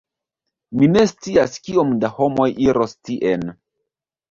Mi ne scias kiom da homoj iros tien